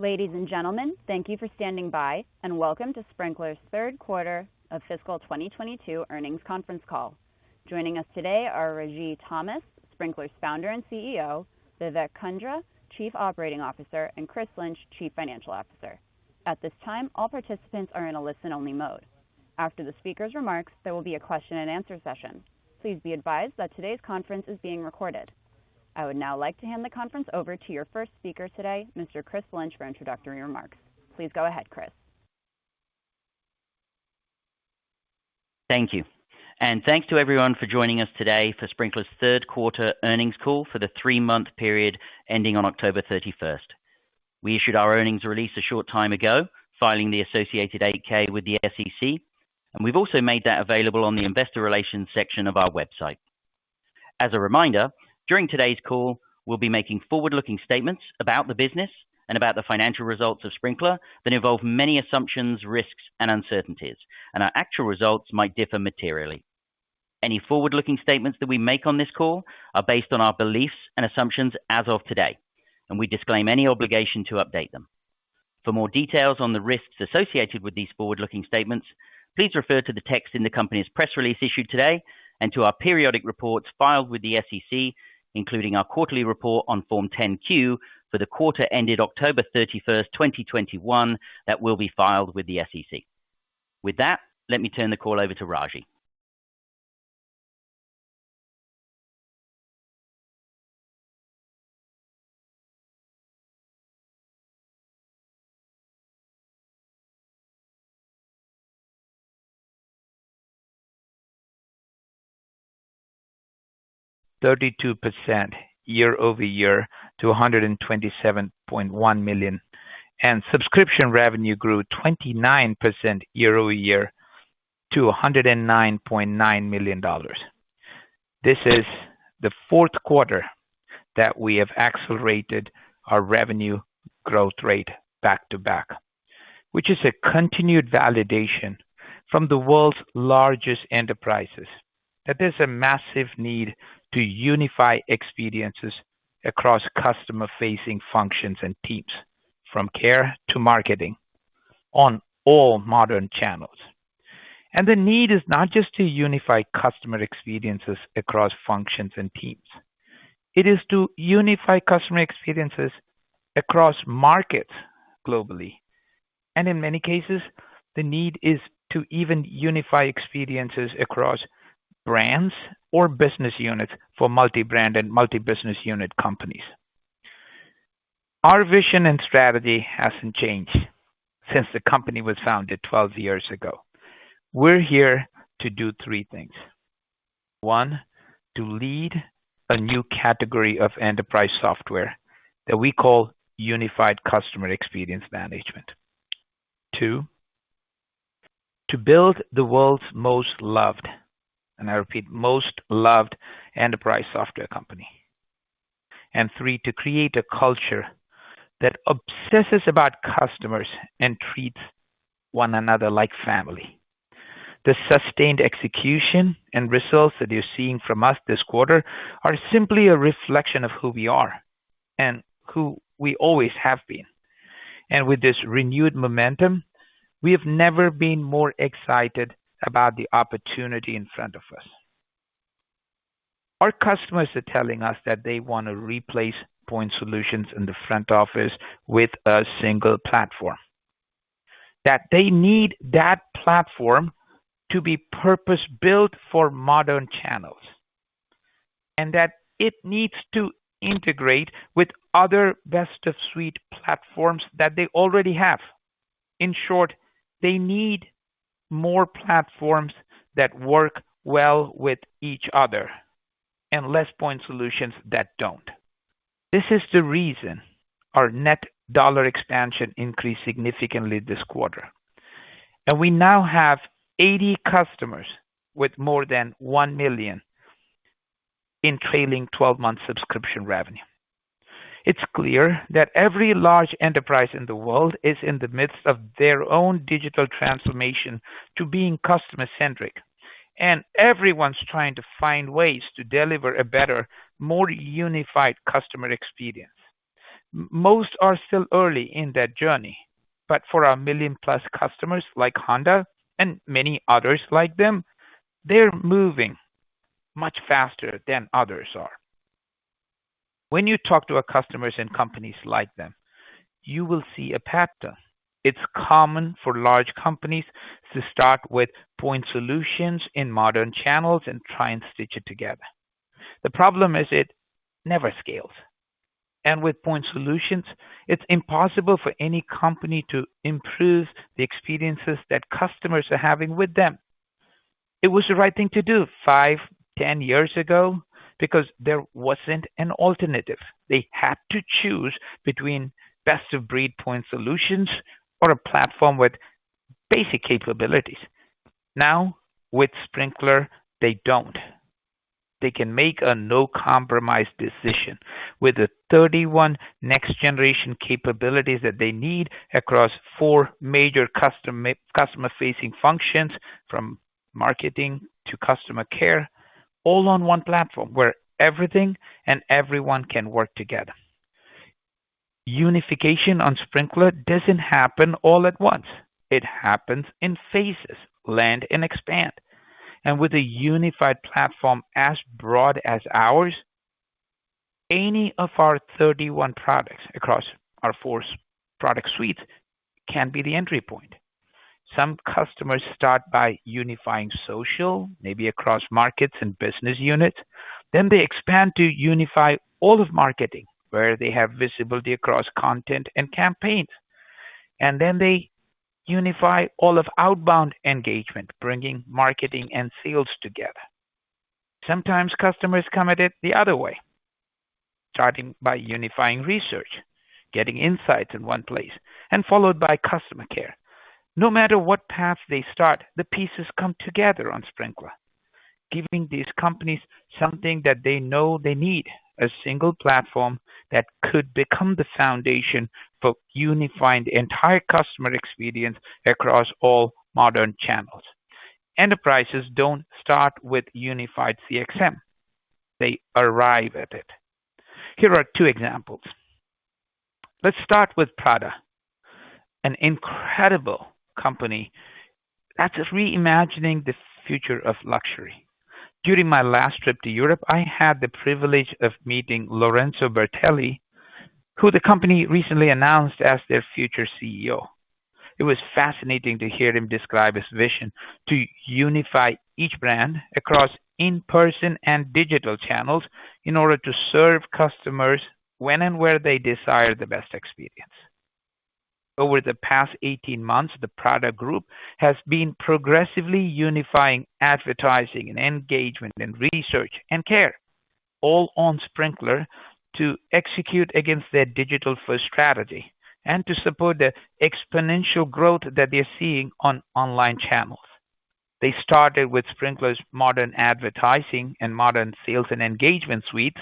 Ladies and gentlemen, thank you for standing by and welcome to Sprinklr's Q3 of fiscal 2022 earnings conference call. Joining us today are Ragy Thomas, Sprinklr's founder and CEO, Vivek Kundra, Chief Operating Officer, and Chris Lynch, Chief Financial Officer. At this time, all participants are in a listen-only mode. After the speaker's remarks, there will be a question and answer session. Please be advised that today's conference is being recorded. I would now like to hand the conference over to your first speaker today, Mr. Chris Lynch, for introductory remarks. Please go ahead, Chris. Thank you. Thanks to everyone for joining us today for Sprinklr's Q3 earnings call for the three-month period ending on October 31. We issued our earnings release a short time ago, filing the associated 8-K with the SEC, and we've also made that available on the investor relations section of our website. As a reminder, during today's call, we'll be making forward-looking statements about the business and about the financial results of Sprinklr that involve many assumptions, risks and uncertainties, and our actual results might differ materially. Any forward-looking statements that we make on this call are based on our beliefs and assumptions as of today, and we disclaim any obligation to update them. For more details on the risks associated with these forward-looking statements, please refer to the text in the company's press release issued today and to our periodic reports filed with the SEC, including our quarterly report on Form 10-Q for the quarter ended October 31, 2021, that will be filed with the SEC. With that, let me turn the call over to Ragy. 32% year-over-year to $127.1 million. Subscription revenue grew 29% year-over-year to $109.9 million. This is the Q4 that we have accelerated our revenue growth rate back-to-back, which is a continued validation from the world's largest enterprises that there's a massive need to unify experiences across customer-facing functions and teams, from care to marketing on all modern channels. The need is not just to unify customer experiences across functions and teams. It is to unify customer experiences across markets globally. In many cases, the need is to even unify experiences across brands or business units for multi-brand and multi-business-unit companies. Our vision and strategy hasn't changed since the company was founded 12 years ago. We're here to do three things. One, to lead a new category of enterprise software that we call unified customer experience management. Two, to build the world's most loved, and I repeat, most loved enterprise software company. Three, to create a culture that obsesses about customers and treats one another like family. The sustained execution and results that you're seeing from us this quarter are simply a reflection of who we are and who we always have been. With this renewed momentum, we have never been more excited about the opportunity in front of us. Our customers are telling us that they want to replace point solutions in the front office with a single platform. That they need that platform to be purpose-built for modern channels, and that it needs to integrate with other best-of-suite platforms that they already have. In short, they need more platforms that work well with each other and less point solutions that don't. This is the reason our net dollar expansion increased significantly this quarter. We now have 80 customers with more than $1 million in trailing 12-month subscription revenue. It's clear that every large enterprise in the world is in the midst of their own digital transformation to being customer-centric, and everyone's trying to find ways to deliver a better, more unified customer experience. Most are still early in that journey, but for our million-plus customers like Honda and many others like them, they're moving much faster than others are. When you talk to our customers and companies like them, you will see a pattern. It's common for large companies to start with point solutions in modern channels and try and stitch it together. The problem is it never scales. With point solutions, it's impossible for any company to improve the experiences that customers are having with them. It was the right thing to do five, 10 years ago because there wasn't an alternative. They had to choose between best-of-breed point solutions or a platform with basic capabilities. Now, with Sprinklr, they don't. They can make a no-compromise decision with the 31 next generation capabilities that they need across four major customer facing functions, from marketing to customer care. All on one platform where everything and everyone can work together. Unification on Sprinklr doesn't happen all at once. It happens in phases, land and expand. With a unified platform as broad as ours, any of our 31 products across our four product suites can be the entry point. Some customers start by unifying social, maybe across markets and business units. They expand to unify all of marketing, where they have visibility across content and campaigns. They unify all of outbound engagement, bringing marketing and sales together. Sometimes customers come at it the other way, starting by unifying research, getting insights in one place, and followed by customer care. No matter what path they start, the pieces come together on Sprinklr, giving these companies something that they know they need, a single platform that could become the foundation for unifying the entire customer experience across all modern channels. Enterprises don't start with unified CXM. They arrive at it. Here are two examples. Let's start with Prada, an incredible company that's reimagining the future of luxury. During my last trip to Europe, I had the privilege of meeting Lorenzo Bertelli, who the company recently announced as their future CEO. It was fascinating to hear him describe his vision to unify each brand across in-person and digital channels in order to serve customers when and where they desire the best experience. Over the past 18 months, the Prada Group has been progressively unifying advertising and engagement and research and care, all on Sprinklr, to execute against their digital-first strategy and to support the exponential growth that they're seeing on online channels. They started with Sprinklr's Modern Advertising and Modern Sales and Engagement suites,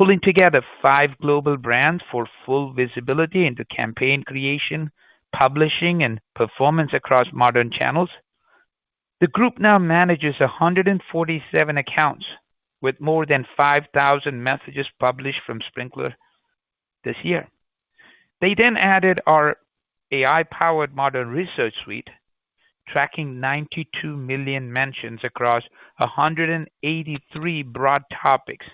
pulling together five global brands for full visibility into campaign creation, publishing, and performance across modern channels. The group now manages 147 accounts with more than 5,000 messages published from Sprinklr this year. They then added our AI-powered Modern Research suite, tracking 92 million mentions across 183 broad topics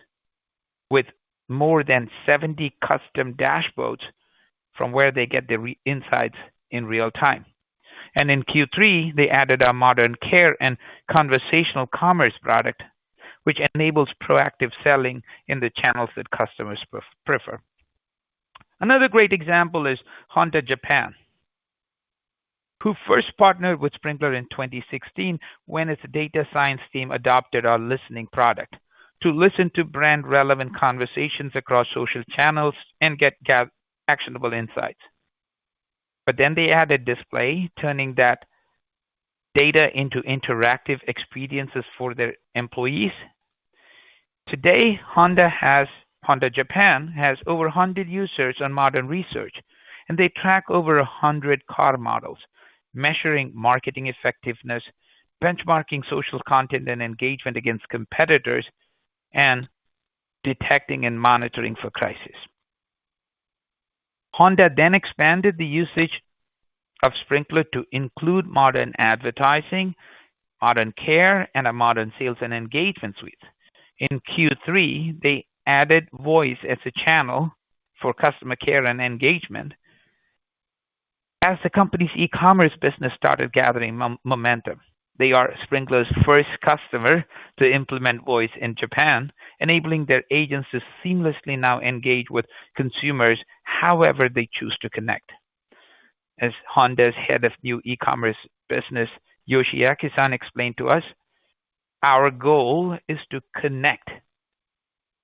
with more than 70 custom dashboards from where they get the insights in real time. In Q3, they added our Modern Care and conversational commerce product, which enables proactive selling in the channels that customers prefer. Another great example is Honda Japan, who first partnered with Sprinklr in 2016 when its data science team adopted our listening product to listen to brand-relevant conversations across social channels and get actionable insights. They added display, turning that data into interactive experiences for their employees. Today, Honda Japan has over 100 users on Modern Research, and they track over 100 car models, measuring marketing effectiveness, benchmarking social content and engagement against competitors, and detecting and monitoring for crisis. Honda expanded the usage of Sprinklr to include Modern Advertising, Modern Care, and a Modern Sales and Engagement suite. In Q3, they added voice as a channel for customer care and engagement as the company's e-commerce business started gathering momentum. They are Sprinklr's first customer to implement voice in Japan, enabling their agents to seamlessly now engage with consumers however they choose to connect. As Honda's head of new e-commerce business, Yoshiaki-san explained to us, "Our goal is to connect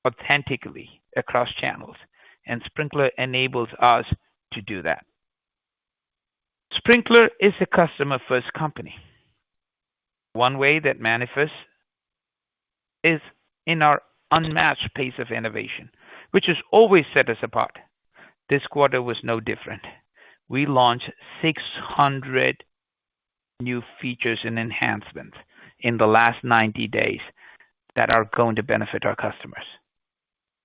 authentically across channels, and Sprinklr enables us to do that." Sprinklr is a customer-first company. One way that manifests is in our unmatched pace of innovation, which has always set us apart. This quarter was no different. We launched 600 new features and enhancements in the last 90 days that are going to benefit our customers.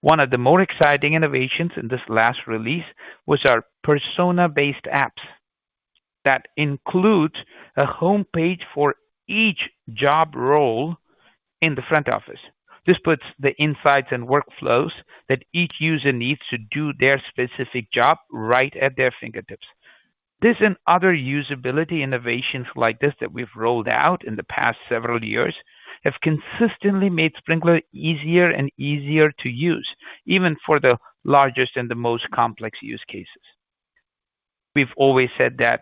One of the more exciting innovations in this last release was our persona-based apps that include a homepage for each job role in the front office. This puts the insights and workflows that each user needs to do their specific job right at their fingertips. This and other usability innovations like this that we've rolled out in the past several years have consistently made Sprinklr easier and easier to use, even for the largest and the most complex use cases. We've always said that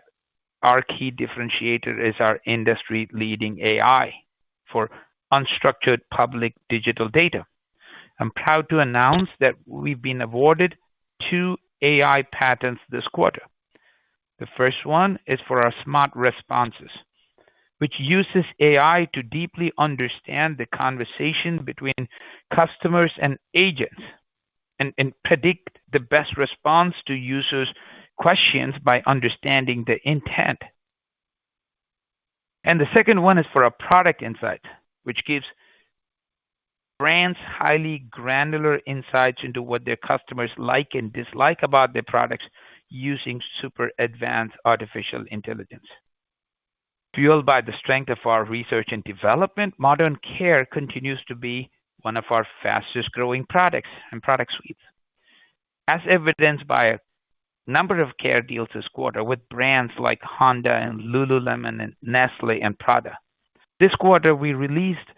our key differentiator is our industry-leading AI for unstructured public digital data. I'm proud to announce that we've been awarded two AI patents this quarter. The first one is for our Smart Responses, which uses AI to deeply understand the conversation between customers and agents and predict the best response to users' questions by understanding the intent. The second one is for our Product Insights, which gives brands highly granular insights into what their customers like and dislike about their products using super advanced artificial intelligence. Fueled by the strength of our research and development, Modern Care continues to be one of our fastest-growing products and product suites, as evidenced by a number of care deals this quarter with brands like Honda and lululemon and Nestlé and Prada. This quarter, we released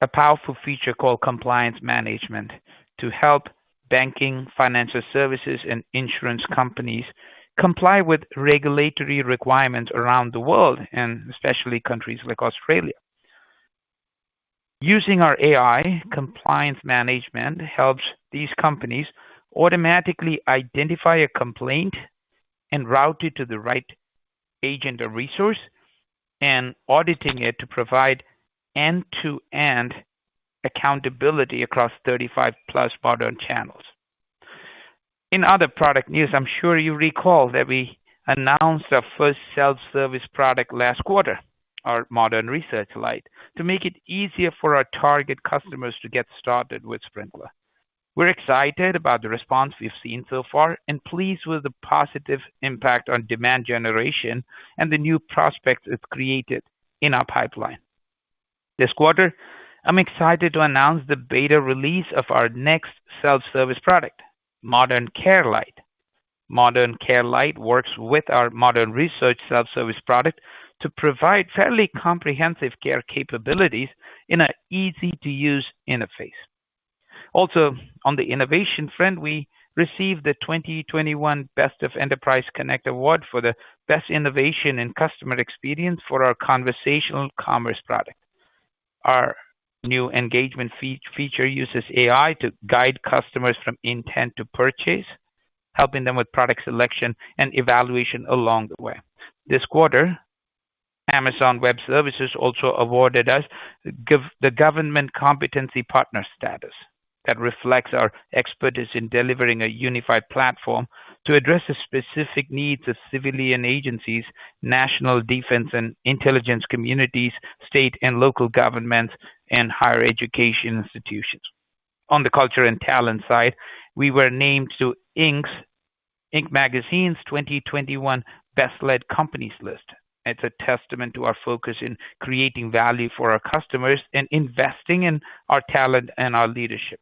a powerful feature called Compliance Management to help banking, financial services, and insurance companies comply with regulatory requirements around the world, and especially countries like Australia. Using our AI, Compliance Management helps these companies automatically identify a complaint and route it to the right agent or resource and auditing it to provide end-to-end accountability across 35+ modern channels. In other product news, I'm sure you recall that we announced our first self-service product last quarter, our Modern Research Lite, to make it easier for our target customers to get started with Sprinklr. We're excited about the response we've seen so far and pleased with the positive impact on demand generation and the new prospects it created in our pipeline. This quarter, I'm excited to announce the beta release of our next self-service product, Modern Care Lite. Modern Care Lite works with our Modern Research self-service product to provide fairly comprehensive care capabilities in an easy-to-use interface. Also, on the innovation front, we received the 2021 Best of Enterprise Connect Award for the best innovation in customer experience for our conversational commerce product. Our new engagement feature uses AI to guide customers from intent to purchase, helping them with product selection and evaluation along the way. This quarter, Amazon Web Services also awarded us the Government Competency Partner status that reflects our expertise in delivering a unified platform to address the specific needs of civilian agencies, national defense and intelligence communities, state and local governments, and higher education institutions. On the culture and talent side, we were named to Inc. Magazine's 2021 Best Led Companies list. It's a testament to our focus in creating value for our customers and investing in our talent and our leadership.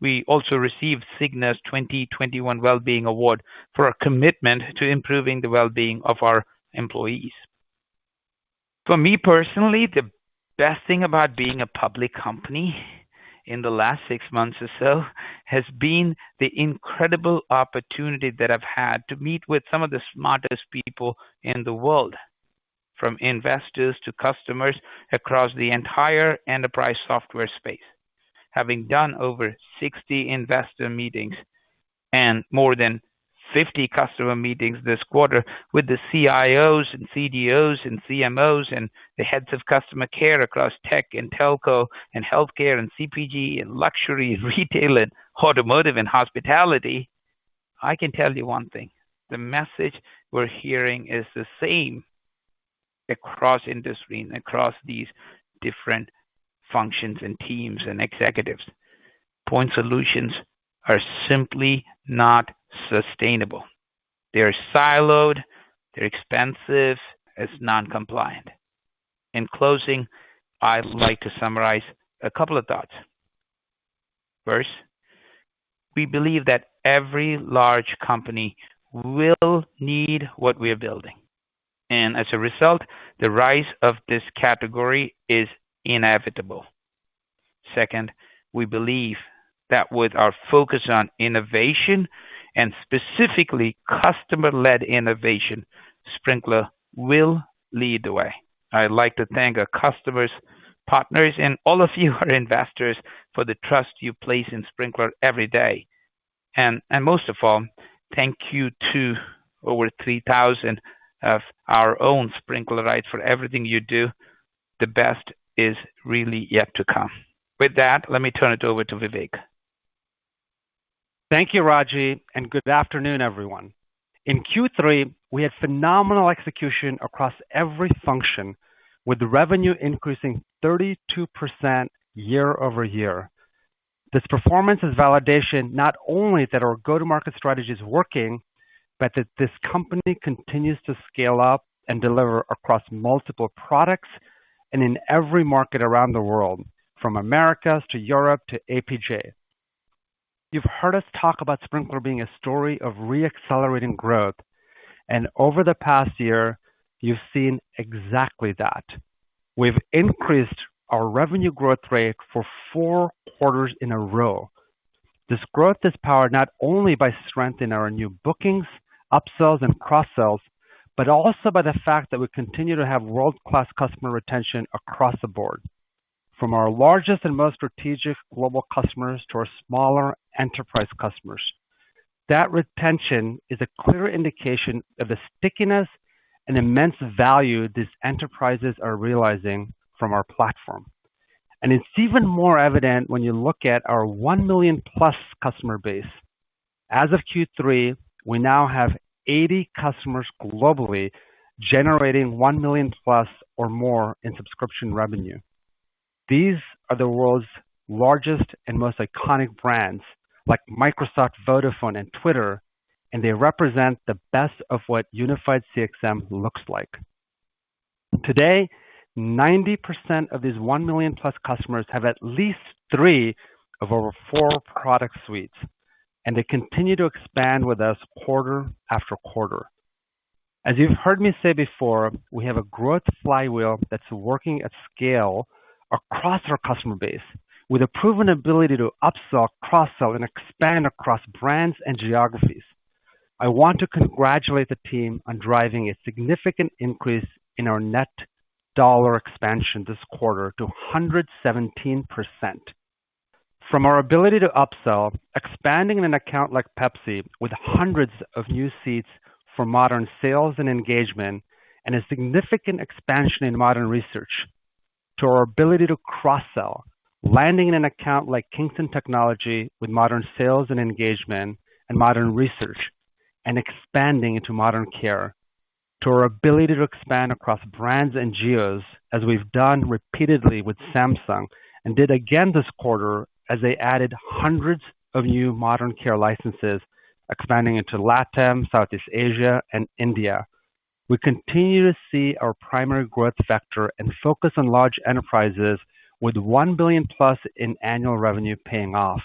We also received Cigna's 2021 Well-Being Award for our commitment to improving the well-being of our employees. For me personally, the best thing about being a public company in the last six months or so has been the incredible opportunity that I've had to meet with some of the smartest people in the world, from investors to customers across the entire enterprise software space. Having done over 60 investor meetings and more than 50 customer meetings this quarter with the CIOs and CDOs and CMOs and the heads of customer care across tech and telco and healthcare and CPG and luxury, retail, and automotive, and hospitality, I can tell you one thing. The message we're hearing is the same across industry and across these different functions and teams and executives. Point solutions are simply not sustainable. They're siloed, they're expensive, it's non-compliant. In closing, I'd like to summarize a couple of thoughts. First, we believe that every large company will need what we are building, and as a result, the rise of this category is inevitable. Second, we believe that with our focus on innovation, and specifically customer-led innovation, Sprinklr will lead the way. I'd like to thank our customers, partners, and all of you who are investors for the trust you place in Sprinklr every day. Most of all, thank you to over 3,000 of our own Sprinklr-ites for everything you do. The best is really yet to come. With that, let me turn it over to Vivek. Thank you, Ragy, and good afternoon, everyone. In Q3, we had phenomenal execution across every function, with revenue increasing 32% year-over-year. This performance is validation not only that our go-to-market strategy is working, but that this company continues to scale up and deliver across multiple products and in every market around the world, from Americas to Europe to APJ. You've heard us talk about Sprinklr being a story of re-accelerating growth. Over the past year, you've seen exactly that. We've increased our revenue growth rate for four quarters in a row. This growth is powered not only by strength in our new bookings, upsells and cross-sells, but also by the fact that we continue to have world-class customer retention across the board, from our largest and most strategic global customers to our smaller enterprise customers. That retention is a clear indication of the stickiness and immense value these enterprises are realizing from our platform. It's even more evident when you look at our one million-plus customer base. As of Q3, we now have 80 customers globally, generating $1 million-plus or more in subscription revenue. These are the world's largest and most iconic brands like Microsoft, Vodafone, and Twitter, and they represent the best of what unified CXM looks like. Today, 90% of these one-million-plus customers have at least three of our four product suites, and they continue to expand with us quarter after quarter. As you've heard me say before, we have a growth flywheel that's working at scale across our customer base with a proven ability to upsell, cross-sell, and expand across brands and geographies. I want to congratulate the team on driving a significant increase in our net dollar expansion this quarter to 117%. From our ability to upsell, expanding in an account like Pepsi with hundreds of new seats for Modern Sales and Engagement, and a significant expansion in Modern Research. To our ability to cross-sell, landing in an account like Kingston Technology with Modern Sales and Engagement and Modern Research, and expanding into Modern Care. To our ability to expand across brands and geos, as we've done repeatedly with Samsung, and did again this quarter as they added hundreds of new Modern Care licenses, expanding into LATAM, Southeast Asia, and India. We continue to see our primary growth factor and focus on large enterprises with $1 billion-plus in annual revenue paying off.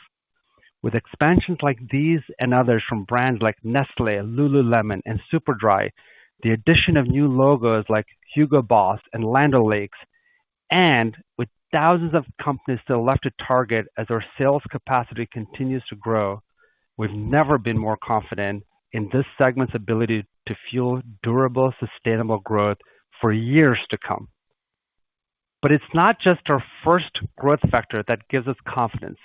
With expansions like these and others from brands like Nestlé, lululemon, and Superdry, the addition of new logos like Hugo Boss and Land O'Lakes, and with thousands of companies still left to target as our sales capacity continues to grow, we've never been more confident in this segment's ability to fuel durable, sustainable growth for years to come. It's not just our first growth factor that gives us confidence.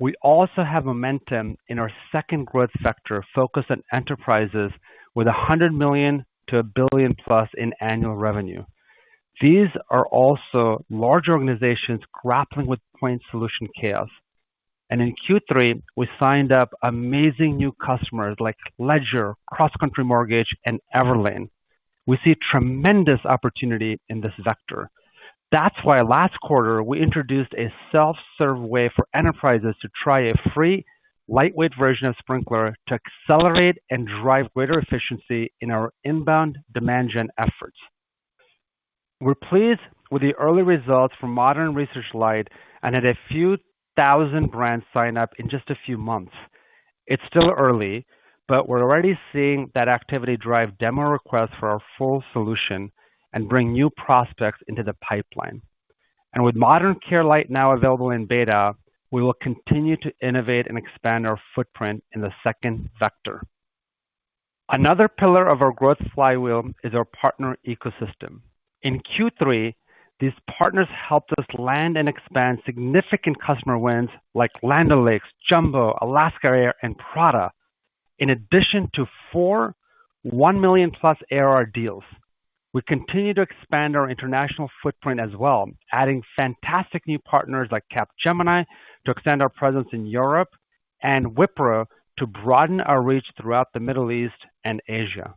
We also have momentum in our second growth factor, focused on enterprises with $100 million to $1 billion-plus in annual revenue. These are also large organizations grappling with point solution chaos. In Q3, we signed up amazing new customers like Ledger, CrossCountry Mortgage, and Everlane. We see tremendous opportunity in this vector. That's why last quarter we introduced a self-serve way for enterprises to try a free, lightweight version of Sprinklr to accelerate and drive greater efficiency in our inbound demand gen efforts. We're pleased with the early results from Modern Research Lite and had a few thousand brands sign up in just a few months. It's still early, but we're already seeing that activity drive demo requests for our full solution and bring new prospects into the pipeline. With Modern Care Lite now available in beta, we will continue to innovate and expand our footprint in the second vector. Another pillar of our growth flywheel is our partner ecosystem. In Q3, these partners helped us land and expand significant customer wins like Land O'Lakes, Jumbo, Alaska Air, and Prada. In addition to four one-million-plus ARR deals. We continue to expand our international footprint as well, adding fantastic new partners like Capgemini to extend our presence in Europe and Wipro to broaden our reach throughout the Middle East and Asia.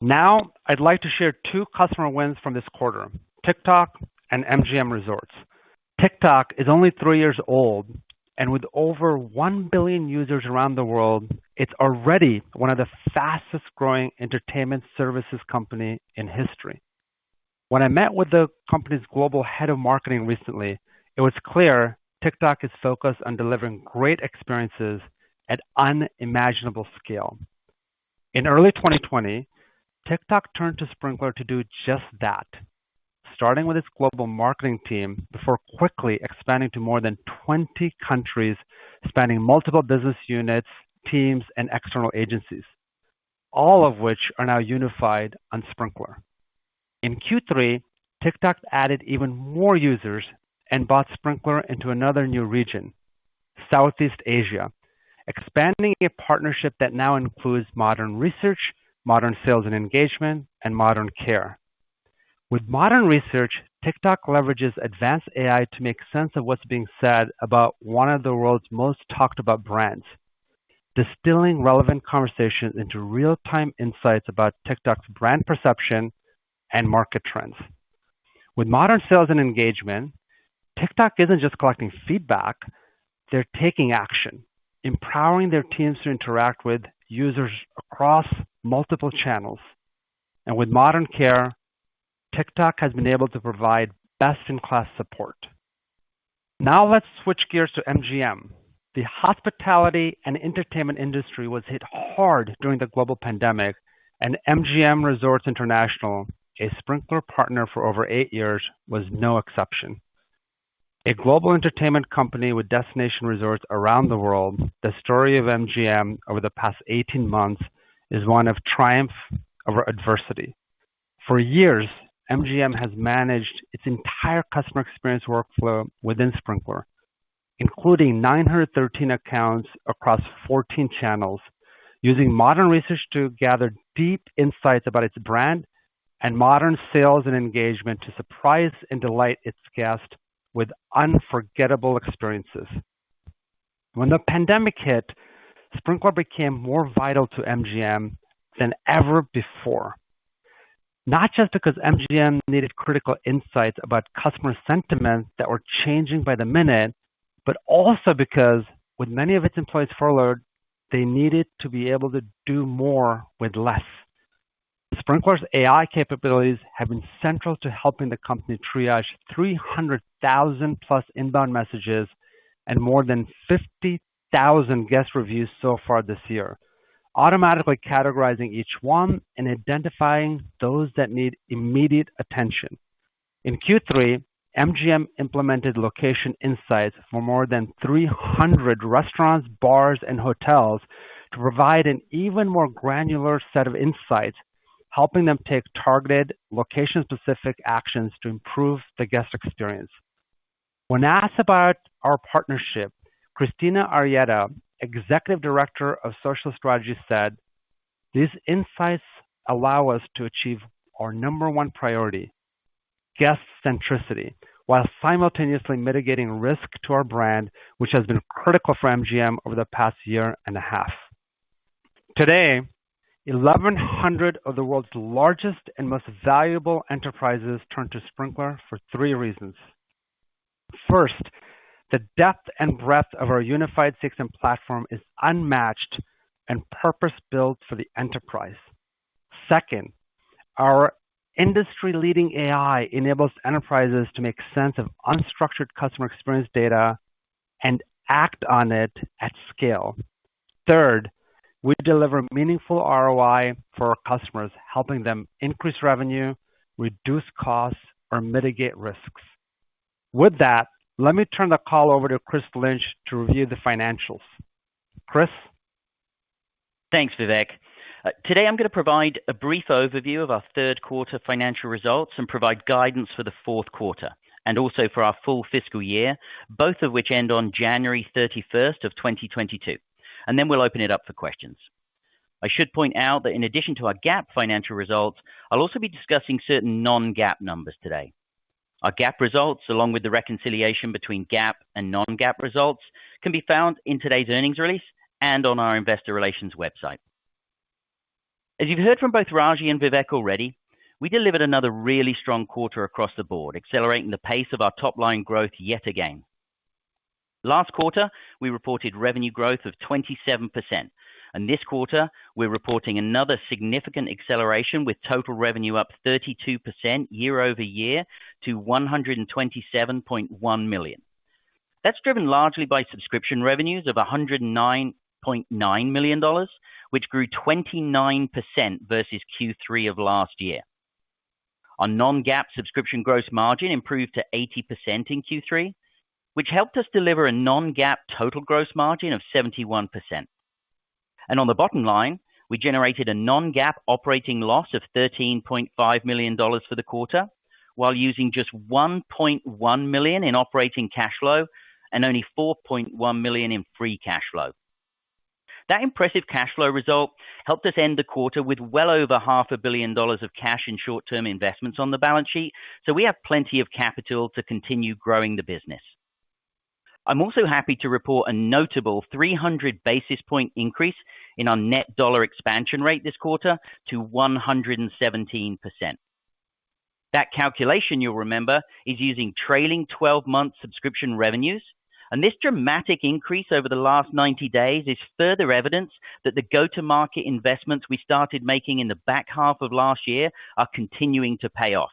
Now, I'd like to share two customer wins from this quarter, TikTok and MGM Resorts. TikTok is only three years old, and with over 1 billion users around the world, it's already one of the fastest-growing entertainment services company in history. When I met with the company's global head of marketing recently, it was clear TikTok is focused on delivering great experiences at unimaginable scale. In early 2020, TikTok turned to Sprinklr to do just that, starting with its global marketing team before quickly expanding to more than 20 countries, spanning multiple business units, teams, and external agencies, all of which are now unified on Sprinklr. In Q3, TikTok added even more users and brought Sprinklr into another new region, Southeast Asia, expanding a partnership that now includes Modern Research, Modern Sales and Engagement, and Modern Care. With Modern Research, TikTok leverages advanced AI to make sense of what's being said about one of the world's most talked about brands, distilling relevant conversations into real-time insights about TikTok's brand perception and market trends. With Modern Sales and Engagement, TikTok isn't just collecting feedback, they're taking action, empowering their teams to interact with users across multiple channels. With Modern Care, TikTok has been able to provide best-in-class support. Now let's switch gears to MGM. The hospitality and entertainment industry was hit hard during the global pandemic, and MGM Resorts International, a Sprinklr partner for over eight years, was no exception. A global entertainment company with destination resorts around the world, the story of MGM over the past 18 months is one of triumph over adversity. For years, MGM has managed its entire customer experience workflow within Sprinklr, including 913 accounts across 14 channels using Modern Research to gather deep insights about its brand and Modern Sales and Engagement to surprise and delight its guests with unforgettable experiences. When the pandemic hit, Sprinklr became more vital to MGM than ever before. Not just because MGM needed critical insights about customer sentiments that were changing by the minute, but also because with many of its employees furloughed, they needed to be able to do more with less. Sprinklr's AI capabilities have been central to helping the company triage 300,000+ inbound messages and more than 50,000 guest reviews so far this year, automatically categorizing each one and identifying those that need immediate attention. In Q3, MGM implemented Location Insights for more than 300 restaurants, bars, and hotels to provide an even more granular set of insights, helping them take targeted, location-specific actions to improve the guest experience. When asked about our partnership, Kristina Arrieta, Executive Director of Social Strategy, said, "These insights allow us to achieve our number one priority, guest centricity, while simultaneously mitigating risk to our brand, which has been critical for MGM over the past year and a half." Today, 1,100 of the world's largest and most valuable enterprises turn to Sprinklr for three reasons. First, the depth and breadth of our unified CXM platform is unmatched and purpose-built for the enterprise. Second, our industry-leading AI enables enterprises to make sense of unstructured customer experience data and act on it at scale. Third, we deliver meaningful ROI for our customers, helping them increase revenue, reduce costs, or mitigate risks. With that, let me turn the call over to Chris Lynch to review the financials. Chris? Thanks, Vivek. Today I'm gonna provide a brief overview of our Q3 financial results and provide guidance for the Q4 and also for our full FY, both of which end on January 31st, 2022, and then we'll open it up for questions. I should point out that in addition to our GAAP financial results, I'll also be discussing certain non-GAAP numbers today. Our GAAP results, along with the reconciliation between GAAP and non-GAAP results, can be found in today's earnings release and on our investor relations website. As you've heard from both Ragy and Vivek already, we delivered another really strong quarter across the board, accelerating the pace of our top-line growth yet again. Last quarter, we reported revenue growth of 27%, and this quarter we're reporting another significant acceleration with total revenue up 32% year-over-year to $127.1 million. That's driven largely by subscription revenues of $109.9 million, which grew 29% versus Q3 of last year. On non-GAAP, subscription gross margin improved to 80% in Q3, which helped us deliver a non-GAAP total gross margin of 71%. On the bottom line, we generated a non-GAAP operating loss of $13.5 million for the quarter, while using just $1.1 million in operating cash flow and only $4.1 million in free cash flow. That impressive cash flow result helped us end the quarter with well over half a billion dollars of cash and short-term investments on the balance sheet, so we have plenty of capital to continue growing the business. I'm also happy to report a notable 300 basis points increase in our net dollar expansion rate this quarter to 117%. That calculation, you'll remember, is using trailing 12-month subscription revenues, and this dramatic increase over the last 90 days is further evidence that the go-to-market investments we started making in the back half of last year are continuing to pay off.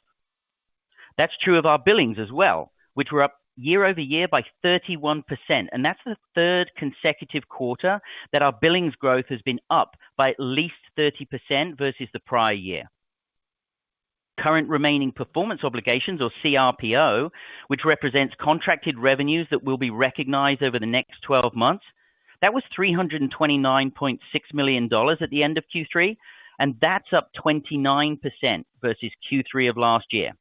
That's true of our billings as well, which were up year-over-year by 31%, and that's the third consecutive quarter that our billings growth has been up by at least 30% versus the prior year. Current remaining performance obligations or CRPO, which represents contracted revenues that will be recognized over the next twelve months. That was $329.6 million at the end of Q3, and that's up 29% versus Q3 of last year.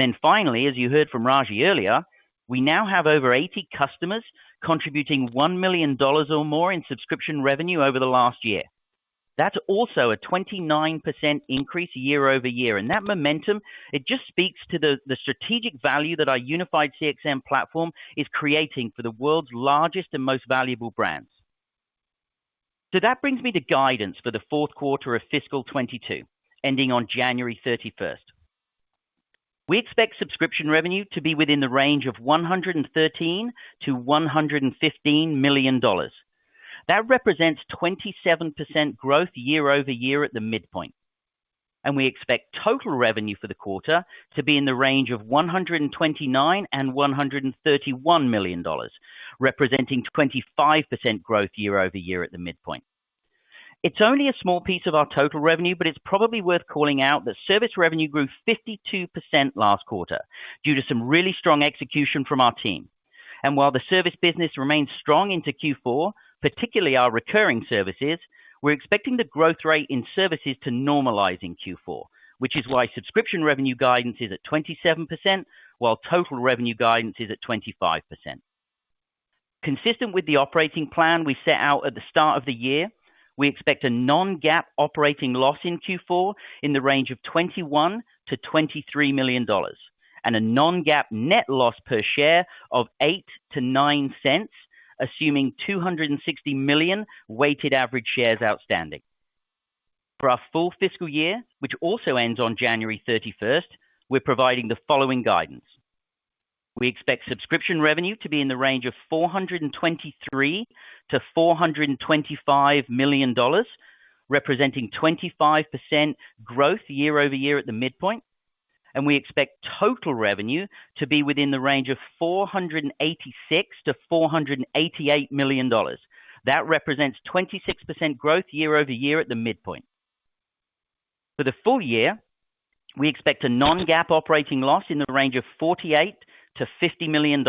Then finally, as you heard from Ragy earlier, we now have over 80 customers contributing $1 million or more in subscription revenue over the last year. That's also a 29% increase year-over-year. That momentum, it just speaks to the strategic value that our unified CXM platform is creating for the world's largest and most valuable brands. That brings me to guidance for the Q4 of fiscal 2022, ending on January 31st. We expect subscription revenue to be within the range of $113 million-$115 million. That represents 27% growth year-over-year at the midpoint. We expect total revenue for the quarter to be in the range of $129 million-$131 million, representing 25% growth year-over-year at the midpoint. It's only a small piece of our total revenue, but it's probably worth calling out that service revenue grew 52% last quarter due to some really strong execution from our team. While the service business remains strong into Q4, particularly our recurring services, we're expecting the growth rate in services to normalize in Q4, which is why subscription revenue guidance is at 27%, while total revenue guidance is at 25%. Consistent with the operating plan we set out at the start of the year, we expect a non-GAAP operating loss in Q4 in the range of $21 million-$23 million, and a non-GAAP net loss per share of $0.08-$0.09, assuming 260 million weighted average shares outstanding. For our full FY, which also ends on January 31, we're providing the following guidance. We expect subscription revenue to be in the range of $423 million-$425 million, representing 25% growth year-over-year at the midpoint. We expect total revenue to be within the range of $486 million-$488 million. That represents 26% growth year-over-year at the midpoint. For the full year, we expect a non-GAAP operating loss in the range of $48 million-$50 million,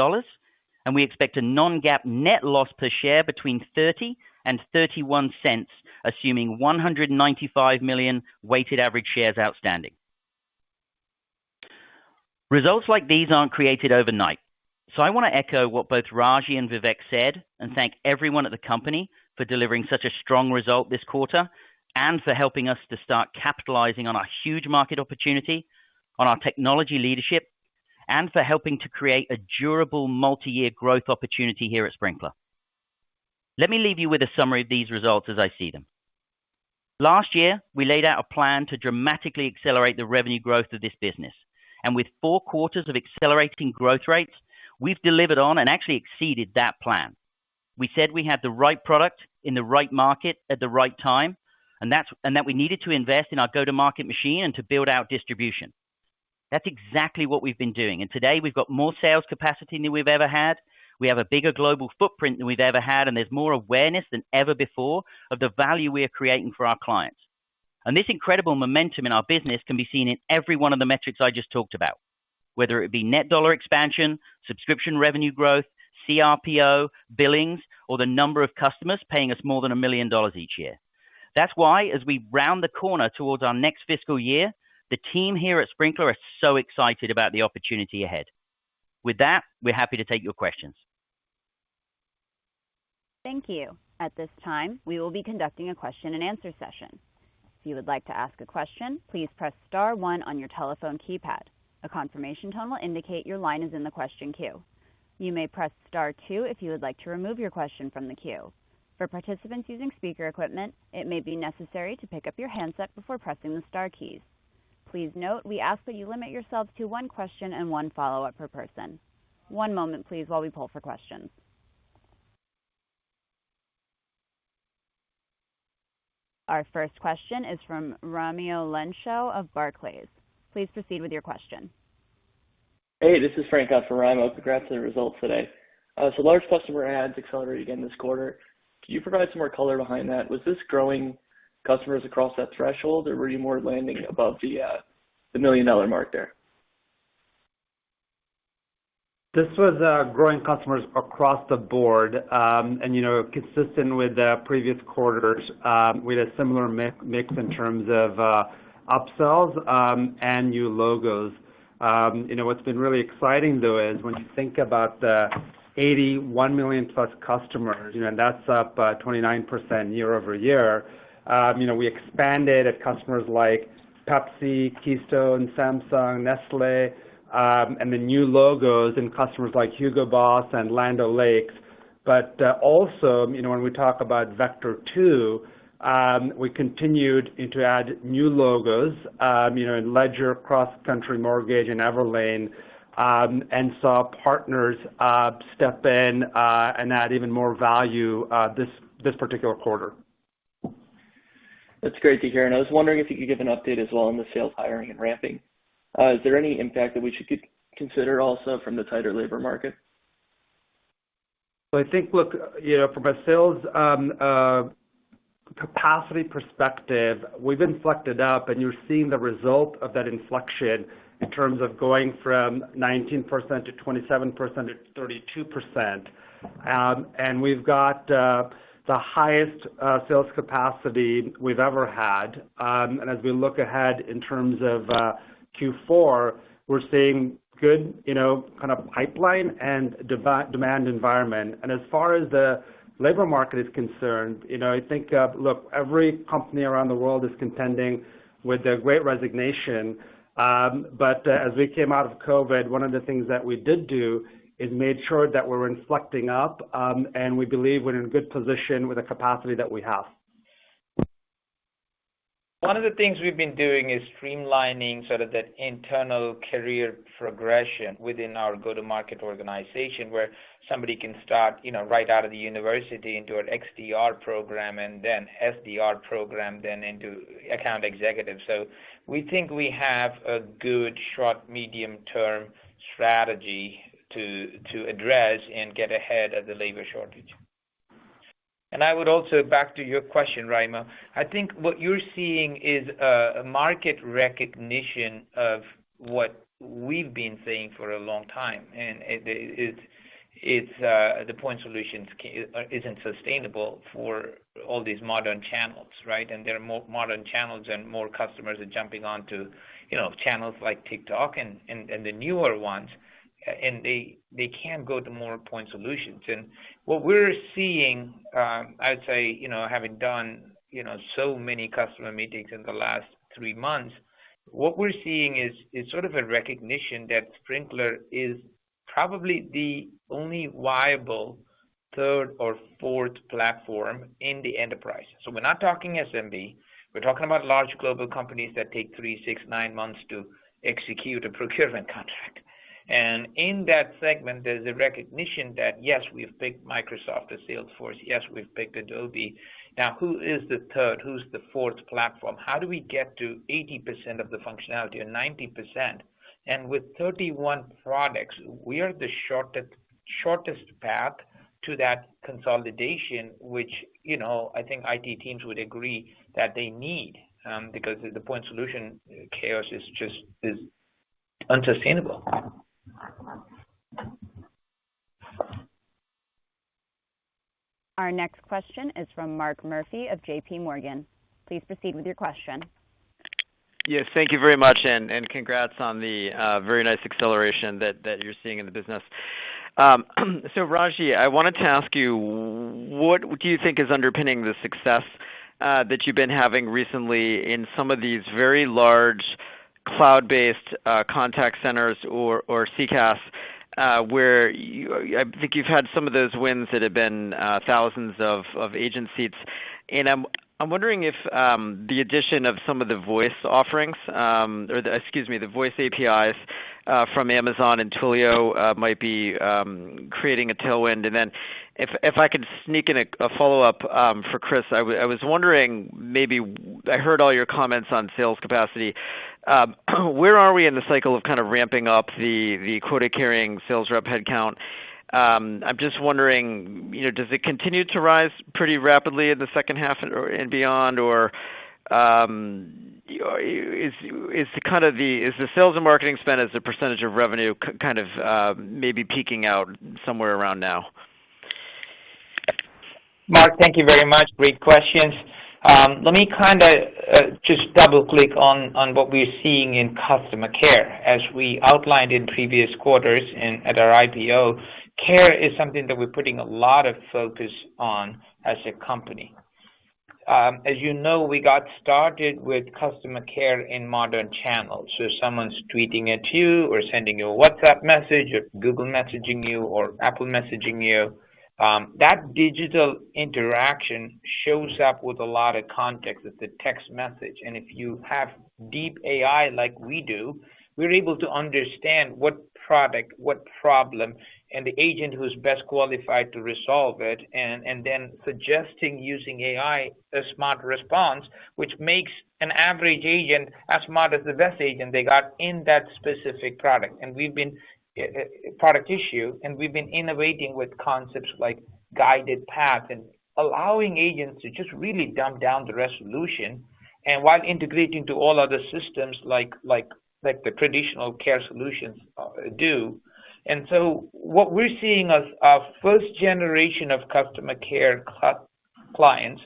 and we expect a non-GAAP net loss per share between $0.30 and $0.31, assuming 195 million weighted average shares outstanding. Results like these aren't created overnight. I want to echo what both Ragy and Vivek said, and thank everyone at the company for delivering such a strong result this quarter, and for helping us to start capitalizing on our huge market opportunity, on our technology leadership, and for helping to create a durable multi-year growth opportunity here at Sprinklr. Let me leave you with a summary of these results as I see them. Last year, we laid out a plan to dramatically accelerate the revenue growth of this business. With four quarters of accelerating growth rates, we've delivered on and actually exceeded that plan. We said we had the right product in the right market at the right time, and that we needed to invest in our go-to-market machine and to build out distribution. That's exactly what we've been doing. Today, we've got more sales capacity than we've ever had. We have a bigger global footprint than we've ever had, and there's more awareness than ever before of the value we are creating for our clients. This incredible momentum in our business can be seen in every one of the metrics I just talked about, whether it be net dollar expansion, subscription revenue growth, CRPO, billings, or the number of customers paying us more than $1 million each year. That's why, as we round the corner towards our next FY, the team here at Sprinklr are so excited about the opportunity ahead. With that, we're happy to take your questions. Thank you. At this time, we will be conducting a question-and-answer session. If you would like to ask a question, please press star one on your telephone keypad. A confirmation tone will indicate your line is in the question queue. You may press star two if you would like to remove your question from the queue. For participants using speaker equipment, it may be necessary to pick up your handset before pressing the star keys. Please note, we ask that you limit yourselves to one question and one follow-up per person. One moment, please, while we pull for questions. Our first question is from Raimo Lenschow of Barclays. Please proceed with your question. Hey, this is Frank out for Raimo. Congrats on the results today. Large customer adds accelerated again this quarter. Can you provide some more color behind that? Was this growing customers across that threshold, or were you more landing above the million-dollar mark there? This was growing customers across the board. You know, consistent with the previous quarters, we had a similar mix in terms of upsells and new logos. You know, what's been really exciting, though, is when you think about the 81 million-plus customers, you know, and that's up 29% year-over-year. You know, we expanded with customers like Pepsi, Keystone, Samsung, Nestlé, and the new logos including customers like Hugo Boss and Land O'Lakes. Also, you know, when we talk about vector two, we continued to add new logos, you know, in Ledger, CrossCountry Mortgage, and Everlane, and saw partners step in and add even more value, this particular quarter. That's great to hear. I was wondering if you could give an update as well on the sales hiring and ramping. Is there any impact that we should consider also from the tighter labor market? I think, look, you know, from a sales capacity perspective, we've inflected up, and you're seeing the result of that inflection in terms of going from 19%-27%-32%. We've got the highest sales capacity we've ever had. As we look ahead in terms of Q4, we're seeing good, you know, kind of pipeline and demand environment. As far as the labor market is concerned, you know, I think, look, every company around the world is contending with the great resignation. As we came out of COVID, one of the things that we did do is made sure that we're inflecting up, and we believe we're in a good position with the capacity that we have. One of the things we've been doing is streamlining sort of the internal career progression within our go-to-market organization, where somebody can start, you know, right out of the university into an XDR program and then SDR program, then into account executive. We think we have a good short, medium-term strategy to address and get ahead of the labor shortage. I would also, back to your question, Raimo, I think what you're seeing is a market recognition of what we've been saying for a long time, and it's the point solutions isn't sustainable for all these modern channels, right? There are more modern channels and more customers are jumping onto, you know, channels like TikTok and the newer ones, and they can't go to more point solutions. What we're seeing, I'd say, you know, having done, you know, so many customer meetings in the last three months, what we're seeing is sort of a recognition that Sprinklr is probably the only viable third or fourth platform in the enterprise. We're not talking SMB, we're talking about large global companies that take three, six, nine months to execute a procurement contract. In that segment, there's a recognition that, yes, we've picked Microsoft or Salesforce. Yes, we've picked Adobe. Now, who is the third, who's the fourth platform? How do we get to 80% of the functionality or 90%? With 31 products, we are the shortest path to that consolidation, which, you know, I think IT teams would agree that they need, because the point solution chaos is just unsustainable. Our next question is from Mark Murphy of JPMorgan. Please proceed with your question. Yes. Thank you very much, and congrats on the very nice acceleration that you're seeing in the business. So Ragy, I wanted to ask you, what do you think is underpinning the success that you've been having recently in some of these very large cloud-based contact centers or CCaaS, where I think you've had some of those wins that have been thousands of agent seats. I'm wondering if the addition of some of the voice offerings or the voice APIs from Amazon and Twilio might be creating a tailwind. Then if I could sneak in a follow-up for Chris. I was wondering maybe I heard all your comments on sales capacity. Where are we in the cycle of kind of ramping up the quota-carrying sales rep headcount? I'm just wondering, you know, does it continue to rise pretty rapidly in the second half or and beyond? Is the sales and marketing spend as a percentage of revenue kind of maybe peaking out somewhere around now? Mark, thank you very much. Great questions. Let me kinda just double-click on what we're seeing in customer care. As we outlined in previous quarters and at our IPO, care is something that we're putting a lot of focus on as a company. As you know, we got started with customer care in modern channels. If someone's tweeting at you or sending you a WhatsApp message or Google messaging you or Apple messaging you, that digital interaction shows up with a lot of context as a text message. If you have deep AI like we do, we're able to understand what product, what problem, and the agent who's best qualified to resolve it, and then suggesting using AI a smart response, which makes an average agent as smart as the best agent they got in that specific product. We've been innovating with concepts like Guided Path and allowing agents to just really dumb down the resolution while integrating to all other systems like the traditional care solutions do. What we're seeing is our first generation of customer care clients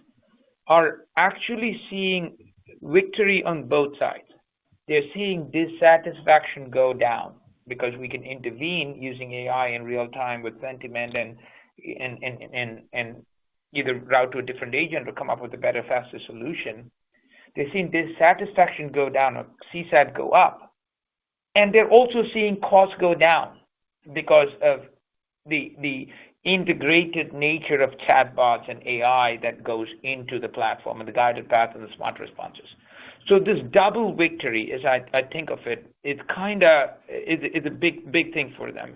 are actually seeing victory on both sides. They're seeing dissatisfaction go down because we can intervene using AI in real time with sentiment and either route to a different agent or come up with a better, faster solution. They're seeing dissatisfaction go down or CSAT go up. They're also seeing costs go down because of the integrated nature of chatbots and AI that goes into the platform and the Guided Path and the Smart Responses. This double victory, as I think of it's kinda is a big thing for them.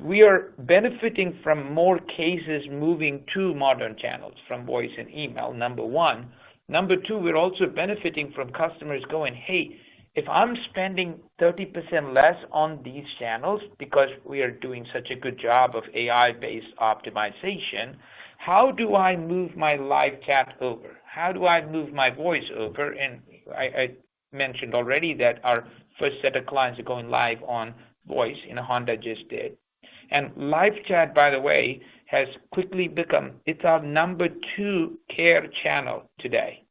We are benefiting from more cases moving to modern channels from voice and email, number one. Number two, we're also benefiting from customers going, "Hey, if I'm spending 30% less on these channels," because we are doing such a good job of AI-based optimization, "how do I move my live chat over? How do I move my voice over?" I mentioned already that our first set of clients are going live on voice, and Honda just did. Live chat, by the way, has quickly become our number two care channel today,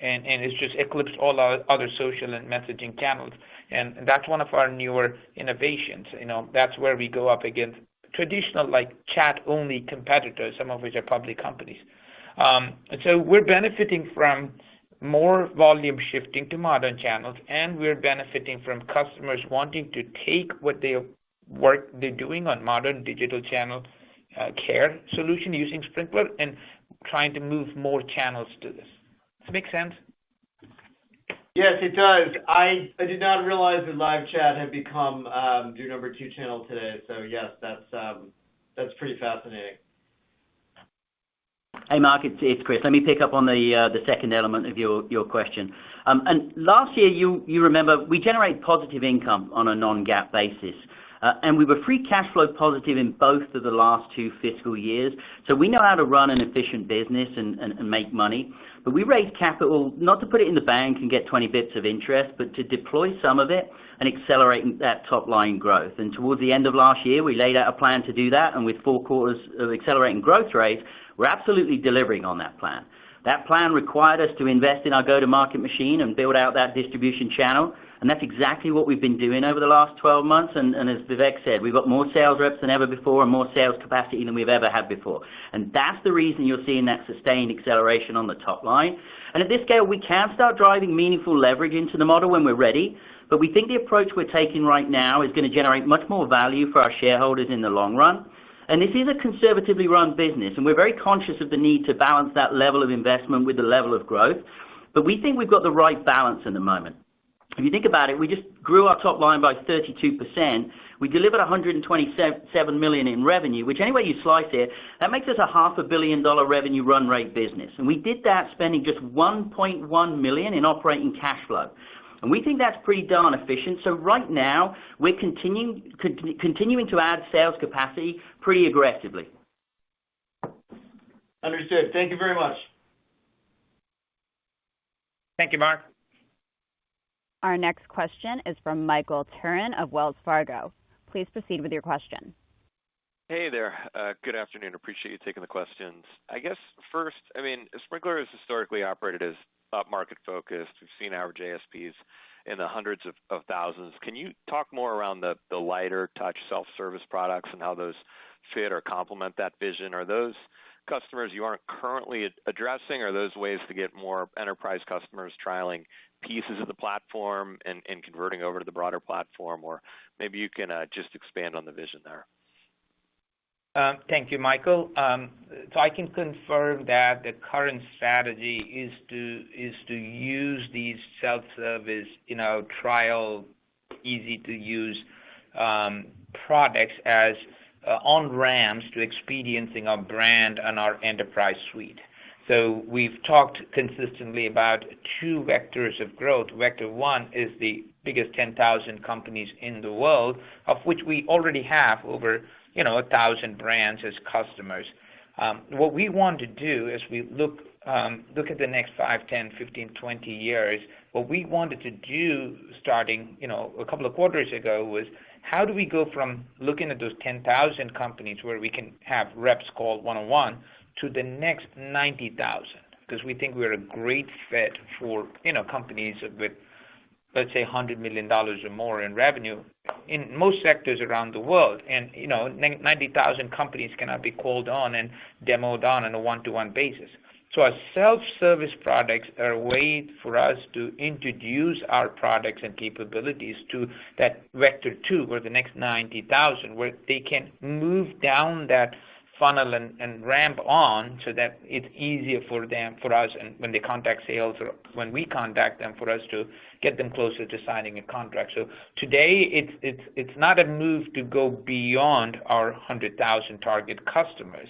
and it's just eclipsed all our other social and messaging channels. That's one of our newer innovations. You know, that's where we go up against traditional like chat-only competitors, some of which are public companies. We're benefiting from more volume shifting to modern channels, and we're benefiting from customers wanting to take work they're doing on modern digital channel, care solution using Sprinklr and trying to move more channels to this. Does it make sense? Yes, it does. I did not realize that live chat had become your number two channel today. Yes, that's pretty fascinating. Hey, Mark, it's Chris. Let me pick up on the second element of your question. Last year, you remember, we generated positive income on a non-GAAP basis. We were free cash flow positive in both of the last two FYs. We know how to run an efficient business and make money. We raised capital not to put it in the bank and get 2% interest, but to deploy some of it and accelerate that top-line growth. Towards the end of last year, we laid out a plan to do that. With four quarters of accelerating growth rates, we're absolutely delivering on that plan. That plan required us to invest in our go-to-market machine and build out that distribution channel, and that's exactly what we've been doing over the last 12 months. As Vivek said, we've got more sales reps than ever before and more sales capacity than we've ever had before. That's the reason you're seeing that sustained acceleration on the top line. At this scale, we can start driving meaningful leverage into the model when we're ready. We think the approach we're taking right now is gonna generate much more value for our shareholders in the long run. This is a conservatively run business, and we're very conscious of the need to balance that level of investment with the level of growth. We think we've got the right balance in the moment. If you think about it, we just grew our top line by 32%. We delivered $127 million in revenue, which any way you slice it, that makes us a $500 million revenue run rate business. We did that spending just $1.1 million in operating cash flow. We think that's pretty darn efficient. Right now, we're continuing to add sales capacity pretty aggressively. Understood. Thank you very much. Thank you, Mark. Our next question is from Michael Turrin of Wells Fargo. Please proceed with your question. Hey there. Good afternoon. Appreciate you taking the questions. I guess first, I mean, Sprinklr is historically operated as upmarket focused. We've seen average ASPs in the hundreds of thousands. Can you talk more around the lighter touch self-service products and how those fit or complement that vision? Are those customers you aren't currently addressing, or are those ways to get more enterprise customers trialing pieces of the platform and converting over to the broader platform? Or maybe you can just expand on the vision there. Thank you, Michael. I can confirm that the current strategy is to use these self-service, you know, trial, easy-to-use products as on-ramps to experiencing our brand and our enterprise suite. We've talked consistently about two vectors of growth. Vector one is the biggest 10,000 companies in the world, of which we already have over, you know, 1,000 brands as customers. What we want to do as we look at the next five, 10, 15, 20 years, what we wanted to do starting, you know, a couple of quarters ago, was how do we go from looking at those 10,000 companies where we can have reps call one-on-one to the next 90,000? 'Cause we think we're a great fit for, you know, companies with, let's say, $100 million or more in revenue in most sectors around the world. You know, 990,000 companies cannot be called on and demoed on a one-to-one basis. Our self-service products are a way for us to introduce our products and capabilities to that vector two, or the next 90,000, where they can move down that funnel and ramp on so that it's easier for them, for us and when they contact sales or when we contact them, for us to get them closer to signing a contract. Today it's not a move to go beyond our 100,000 target customers.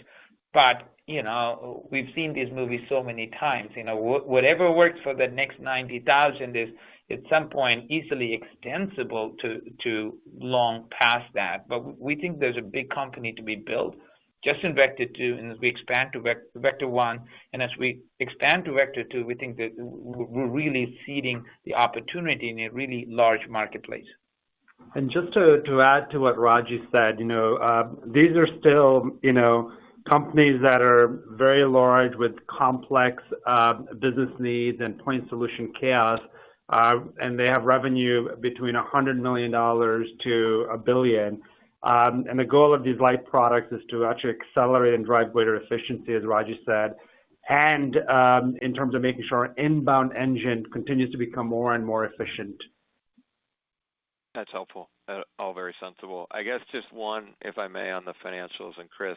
You know, we've seen this movie so many times. You know, whatever works for the next 90,000 is at some point easily extensible to long past that. We think there's a big company to be built just in vector two. As we expand to vector one and as we expand to vector two, we think that we're really seeding the opportunity in a really large marketplace. Just to add to what Ragy said, you know, these are still, you know, companies that are very large with complex business needs and point solution chaos, and they have revenue between $100 million-$1 billion. The goal of these light products is to actually accelerate and drive greater efficiency, as Ragy said, and in terms of making sure our inbound engine continues to become more and more efficient. That's helpful. All very sensible. I guess just one, if I may, on the financials. Chris,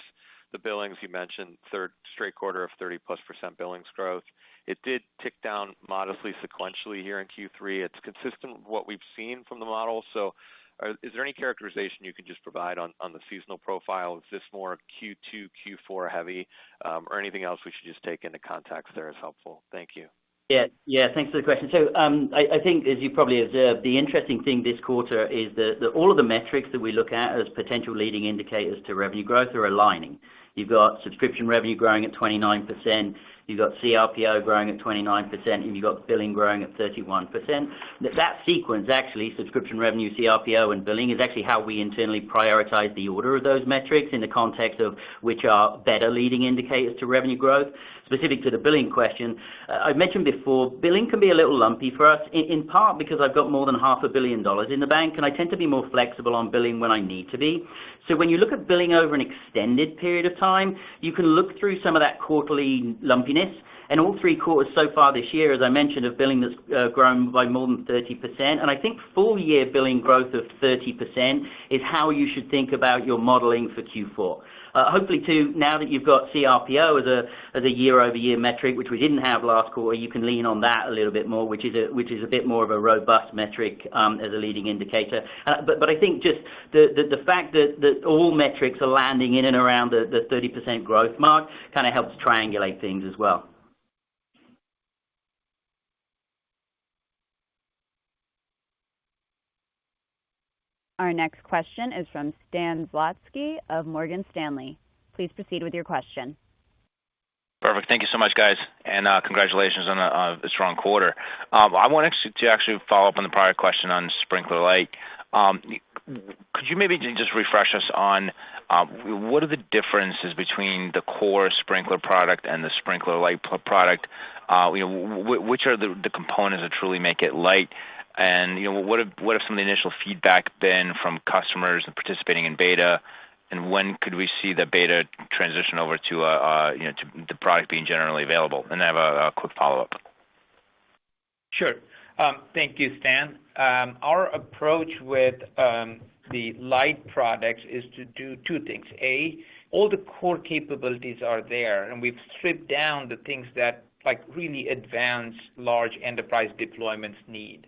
the billings, you mentioned third straight quarter of 30%+ billings growth. It did tick down modestly sequentially here in Q3. It's consistent with what we've seen from the model. So is there any characterization you can just provide on the seasonal profile? Is this more Q2, Q4 heavy, or anything else we should just take into context? That is helpful. Thank you. Yeah. Yeah. Thanks for the question. I think as you probably observed, the interesting thing this quarter is all of the metrics that we look at as potential leading indicators to revenue growth are aligning. You've got subscription revenue growing at 29%, you've got CRPO growing at 29%, and you've got billing growing at 31%. That sequence actually, subscription revenue, CRPO, and billing, is actually how we internally prioritize the order of those metrics in the context of which are better leading indicators to revenue growth. Specific to the billing question, I've mentioned before, billing can be a little lumpy for us in part because I've got more than half a billion dollars in the bank, and I tend to be more flexible on billing when I need to be. When you look at billing over an extended period of time, you can look through some of that quarterly lumpiness. All three quarters so far this year, as I mentioned, of billing that's grown by more than 30%. I think full year billing growth of 30% is how you should think about your modeling for Q4. Hopefully too, now that you've got CRPO as a year-over-year metric which we didn't have last quarter, you can lean on that a little bit more, which is a bit more of a robust metric, as a leading indicator. But I think just the fact that all metrics are landing in and around the 30% growth mark kinda helps triangulate things as well. Our next question is from Stan Zlotsky of Morgan Stanley. Please proceed with your question. Perfect. Thank you so much, guys, and congratulations on a strong quarter. I wanted to actually follow up on the prior question on Sprinklr Lite. Could you maybe just refresh us on what are the differences between the core Sprinklr product and the Sprinklr Lite product? You know, which are the components that truly make it lite? And you know, what have some of the initial feedback been from customers participating in beta? And when could we see the beta transition over to you know, to the product being generally available? And I have a quick follow-up. Sure. Thank you, Stan. Our approach with the Lite products is to do two things. A, all the core capabilities are there, and we've stripped down the things that, like, really advanced large enterprise deployments need.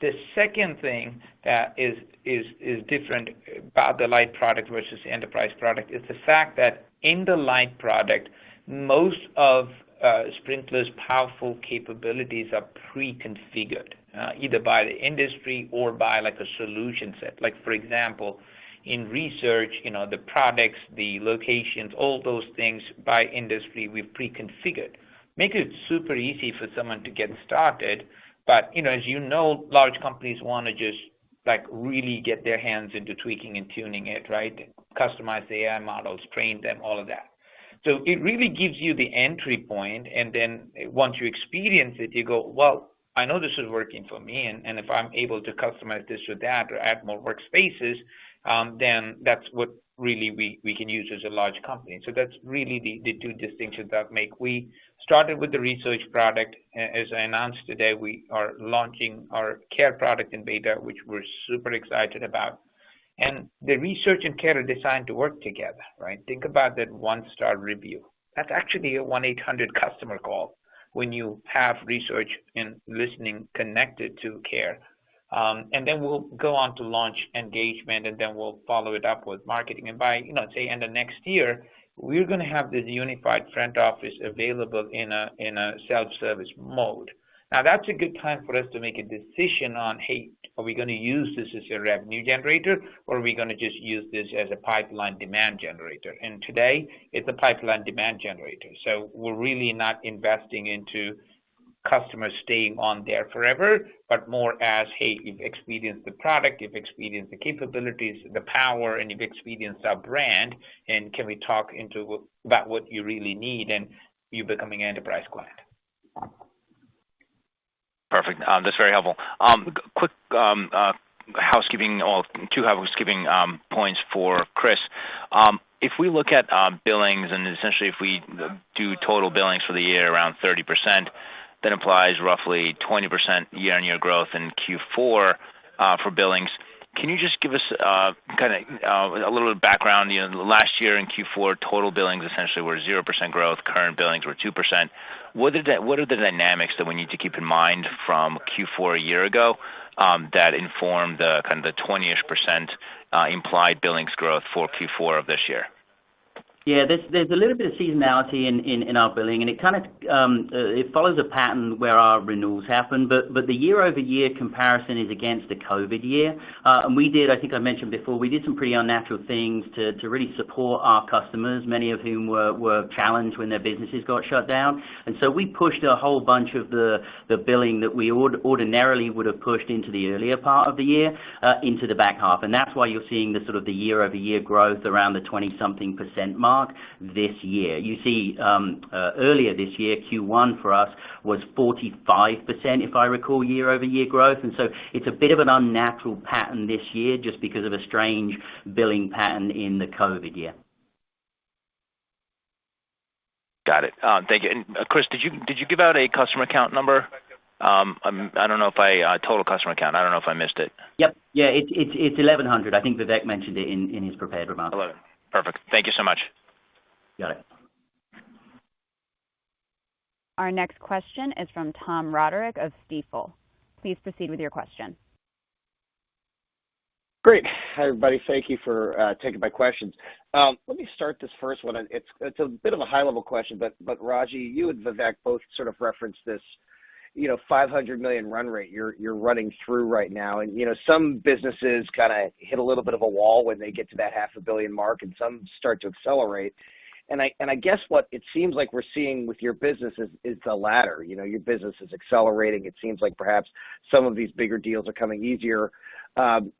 The second thing that is different about the Lite product versus the enterprise product is the fact that in the Lite product, most of Sprinklr's powerful capabilities are pre-configured, either by the industry or by, like, a solution set. Like, for example, in research, you know, the products, the locations, all those things by industry, we've pre-configured. Make it super easy for someone to get started, but, you know, as you know, large companies wanna just, like, really get their hands into tweaking and tuning it, right? Customize the AI models, train them, all of that. It really gives you the entry point, and then once you experience it, you go, "Well, I know this is working for me, and if I'm able to customize this or that or add more workspaces, then that's what really we can use as a large company." That's really the two distinctions that make. We started with the research product. As I announced today, we are launching our care product in beta, which we're super excited about. The research and care are designed to work together, right? Think about that one-star review. That's actually a 1-800 customer call when you have research and listening connected to care. Then we'll go on to launch engagement, and then we'll follow it up with marketing. By, you know, say end of next year, we're gonna have this unified front office available in a self-service mode. Now, that's a good time for us to make a decision on, "Hey, are we gonna use this as a revenue generator, or are we gonna just use this as a pipeline demand generator?" Today, it's a pipeline demand generator. We're really not investing into customers staying on there forever, but more as, "Hey, you've experienced the product, you've experienced the capabilities, the power, and you've experienced our brand, and can we talk about what you really need, and you becoming an enterprise client. Perfect. That's very helpful. Quick one or two housekeeping points for Chris. If we look at billings, and essentially if we do total billings for the year around 30%, that implies roughly 20% year-on-year growth in Q4 for billings. Can you just give us kinda a little background? You know, last year in Q4, total billings essentially were 0% growth. Current billings were 2%. What are the dynamics that we need to keep in mind from Q4 a year ago that inform the kind of the 20-ish percent implied billings growth for Q4 of this year? There's a little bit of seasonality in our billing, and it kind of follows a pattern where our renewals happen. The year-over-year comparison is against a COVID year. I think I mentioned before, we did some pretty unnatural things to really support our customers, many of whom were challenged when their businesses got shut down. We pushed a whole bunch of the billing that we ordinarily would have pushed into the earlier part of the year into the back half, and that's why you're seeing sort of the year-over-year growth around the 20-something percent mark this year. You see, earlier this year, Q1 for us was 45%, if I recall, year-over-year growth. It's a bit of an unnatural pattern this year just because of a strange billing pattern in the COVID year. Got it. Thank you. Chris, did you give out a customer account number? I don't know if I missed it. Yep. Yeah. It's 1,100. I think Vivek mentioned it in his prepared remarks. 11. Perfect. Thank you so much. Got it. Our next question is from Tom Roderick of Stifel. Please proceed with your question. Great. Hi, everybody. Thank you for taking my questions. Let me start this first one. It's a bit of a high level question, but Ragy, you and Vivek both sort of referenced this, you know, $500 million run rate you're running through right now. You know, some businesses kinda hit a little bit of a wall when they get to that $500 million mark, and some start to accelerate. I guess what it seems like we're seeing with your business is the latter. You know, your business is accelerating. It seems like perhaps some of these bigger deals are coming easier. I don't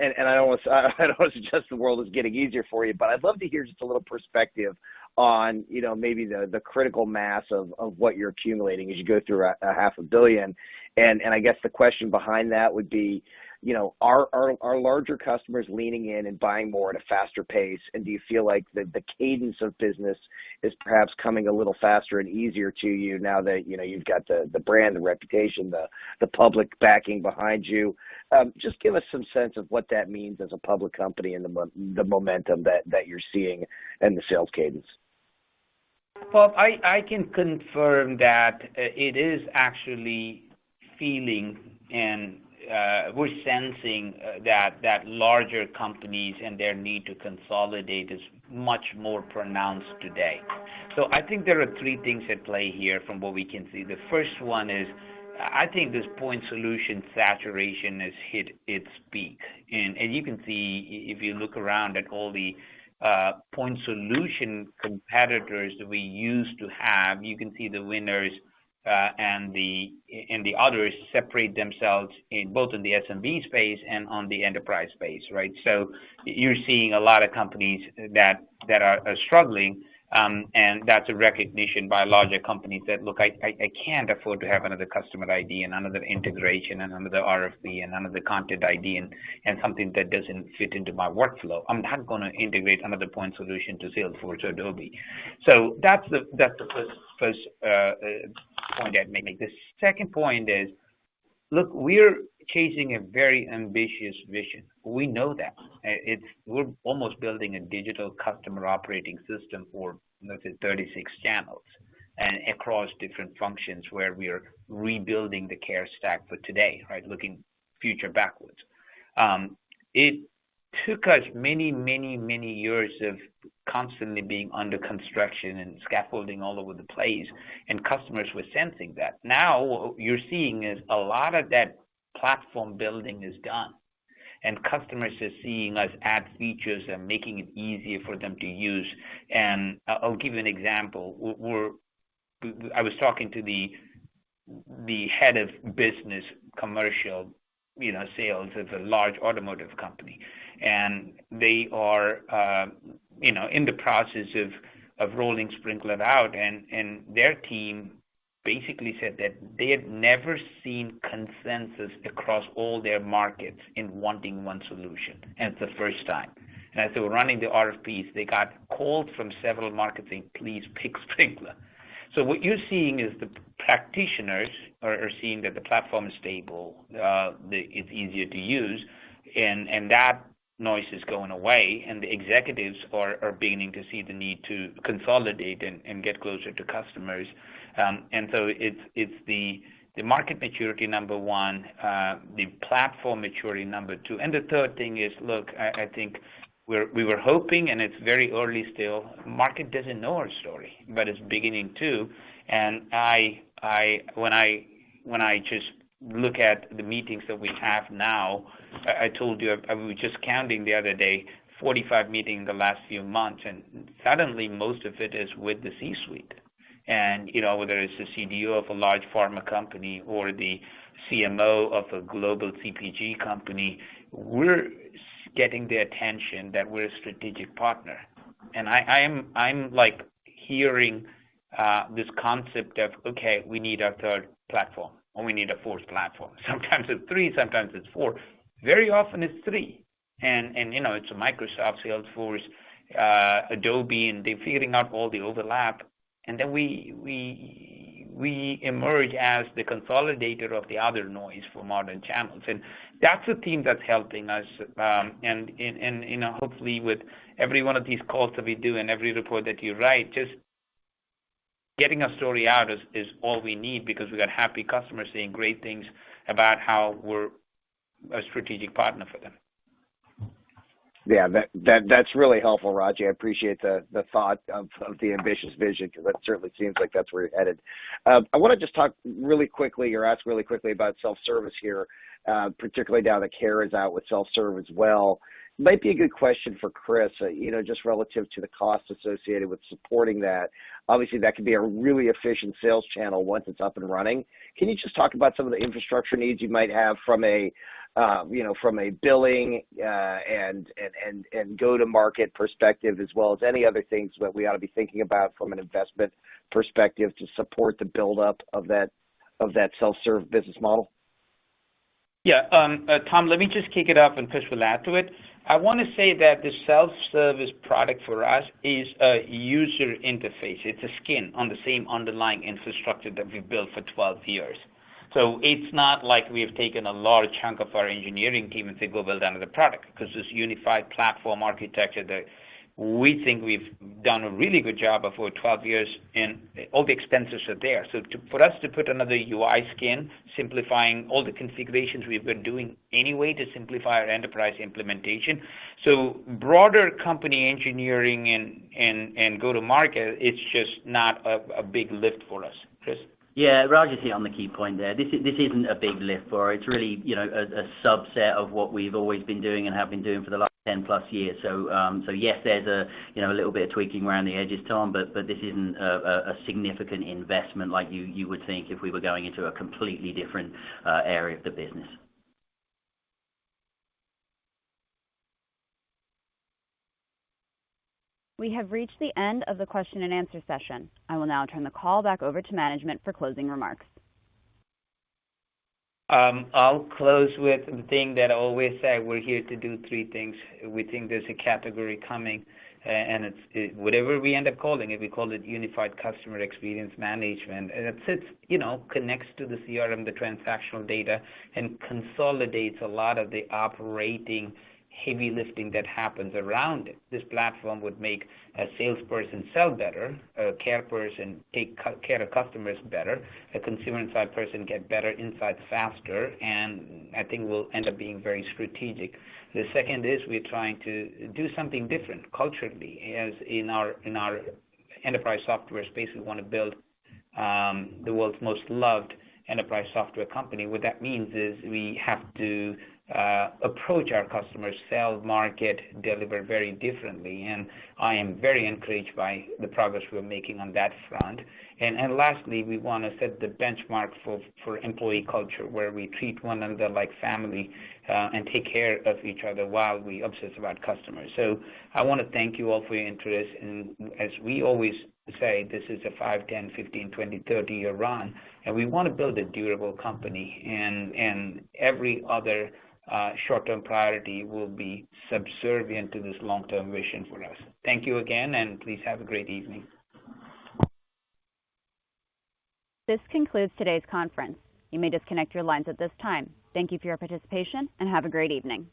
wanna suggest the world is getting easier for you, but I'd love to hear just a little perspective on, you know, maybe the critical mass of what you're accumulating as you go through a $500 million. I guess the question behind that would be, you know, are larger customers leaning in and buying more at a faster pace? Do you feel like the cadence of business is perhaps coming a little faster and easier to you now that, you know, you've got the brand, the reputation, the public backing behind you? Just give us some sense of what that means as a public company and the momentum that you're seeing in the sales cadence. Well, I can confirm that it is actually feeling and we're sensing that larger companies and their need to consolidate is much more pronounced today. I think there are three things at play here from what we can see. The first one is, I think this point solution saturation has hit its peak. You can see if you look around at all the point solution competitors that we used to have, you can see the winners and the others separate themselves in both the SMB space and on the enterprise space, right? You're seeing a lot of companies that are struggling, and that's a recognition by larger companies that, "Look, I can't afford to have another customer ID and another integration and another RFC and another content ID and something that doesn't fit into my workflow. I'm not gonna integrate another point solution to Salesforce or Adobe." That's the first point I'd make. The second point is, look, we're chasing a very ambitious vision. We know that. We're almost building a digital customer operating system for let's say 36 channels and across different functions where we are rebuilding the care stack for today, right? Looking future backwards. It took us many years of constantly being under construction and scaffolding all over the place, and customers were sensing that. Now what you're seeing is a lot of that platform building is done, and customers are seeing us add features and making it easier for them to use. I'll give you an example. I was talking to the head of business commercial, you know, sales of a large automotive company. They are, you know, in the process of rolling Sprinklr out, and their team basically said that they had never seen consensus across all their markets in wanting one solution, and it's the first time. As they were running the RFPs, they got calls from several markets saying, "Please pick Sprinklr." What you're seeing is the practitioners are seeing that the platform is stable, it's easier to use and that noise is going away, and the executives are beginning to see the need to consolidate and get closer to customers. It's the market maturity, number one, the platform maturity, number two. The third thing is, look, I think we were hoping, and it's very early still, market doesn't know our story, but it's beginning to. When I just look at the meetings that we have now, I told you, I was just counting the other day, 45 meetings in the last few months, and suddenly most of it is with the C-suite. You know, whether it's the CDO of a large pharma company or the CMO of a global CPG company, we're getting their attention that we're a strategic partner. I am, like, hearing this concept of, "Okay, we need a third platform, or we need a fourth platform." Sometimes it's three, sometimes it's four. Very often it's three. You know, it's Microsoft, Salesforce, Adobe, and they're figuring out all the overlap. Then we emerge as the consolidator of the other noise for modern channels. That's a theme that's helping us, you know, hopefully with every one of these calls that we do and every report that you write, just getting our story out is all we need because we got happy customers saying great things about how we're a strategic partner for them. Yeah. That's really helpful, Ragy. I appreciate the thought of the ambitious vision because that certainly seems like that's where you're headed. I wanna just talk really quickly or ask really quickly about self-service here, particularly now that Care is out with self-serve as well. Might be a good question for Chris, you know, just relative to the cost associated with supporting that. Obviously, that could be a really efficient sales channel once it's up and running. Can you just talk about some of the infrastructure needs you might have from a, you know, from a billing and go-to-market perspective as well as any other things that we ought to be thinking about from an investment perspective to support the build-up of that self-serve business model? Yeah. Tom, let me just kick it off and Chris will add to it. I wanna say that the self-service product for us is a user interface. It's a skin on the same underlying infrastructure that we've built for 12 years. It's not like we've taken a large chunk of our engineering team and said, "Go build another product," 'cause this unified platform architecture that we think we've done a really good job of for 12 years, and all the expenses are there. For us to put another UI skin, simplifying all the configurations we've been doing anyway to simplify our enterprise implementation. Broader company engineering and go-to-market, it's just not a big lift for us. Chris? Yeah. Ragy's hit on the key point there. This isn't a big lift for us. It's really, you know, a subset of what we've always been doing and have been doing for the last 10-plus years. Yes, there's, you know, a little bit of tweaking around the edges, Tom, but this isn't a significant investment like you would think if we were going into a completely different area of the business. We have reached the end of the question and answer session. I will now turn the call back over to management for closing remarks. I'll close with the thing that I always say, we're here to do three things. We think there's a category coming, and it's whatever we end up calling it, we call it unified customer experience management. It sits, you know, connects to the CRM, the transactional data, and consolidates a lot of the operating heavy lifting that happens around it. This platform would make a salesperson sell better, a care person take care of customers better, a consumer insight person get better insights faster, and I think we'll end up being very strategic. The second is we're trying to do something different culturally. As in our enterprise software space, we wanna build the world's most loved enterprise software company. What that means is we have to approach our customers, sell, market, deliver very differently, and I am very encouraged by the progress we're making on that front. Lastly, we wanna set the benchmark for employee culture, where we treat one another like family and take care of each other while we obsess about customers. I wanna thank you all for your interest, and as we always say, this is a five, 10, 15, 20, 30-year run, and we wanna build a durable company and every other short-term priority will be subservient to this long-term vision for us. Thank you again, and please have a great evening. This concludes today's conference. You may disconnect your lines at this time. Thank you for your participation, and have a great evening.